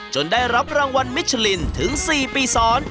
ได้รับรางวัลมิชลินถึง๔ปีซ้อน